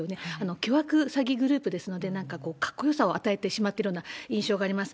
凶悪詐欺グループですので、なんかこう、かっこよさを与えてしまってるような印象があります。